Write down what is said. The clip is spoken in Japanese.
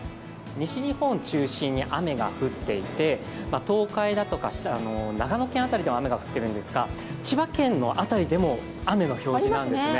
西日本を中心に雨が降っていて、東海だとか長野県あたりでは雨が降っているんですが千葉県の辺りでも雨の表示なんですね。